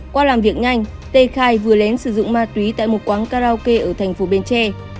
qua làm việc nhanh tê khai vừa lén sử dụng ma túy tại một quán karaoke ở thành phố bến tre